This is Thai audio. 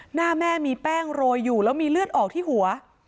หน้าแม่มีแป้งโรยอยู่แล้วมีเลือดออกที่หัว